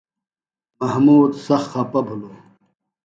محمود سخت خپہ بِھلوۡ۔